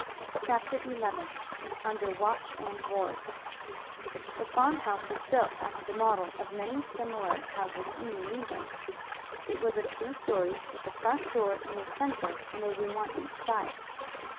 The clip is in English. CHAPTER XI UNDER WATCH AND WARD THE farmhouse was built after the model of many similar houses in New England. It was of two stories, with the front door in the center and a room on each side.